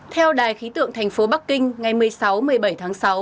theo đài khí tượng thành phố bắc kinh ngày một mươi sáu một mươi bảy tháng sáu